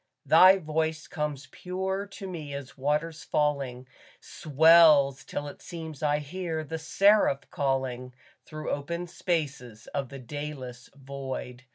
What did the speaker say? Thy voice comes pure to me as waters falling, Swells till it seems I hear the Seraph calling Through open spaces of the dayless void.